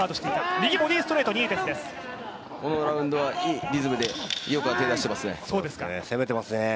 このラウンドはいいリズムで攻めていますね。